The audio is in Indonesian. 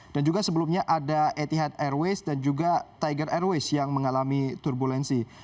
dan juga sebelumnya ada etihad airways dan juga tiger airways yang mengalami turbulensi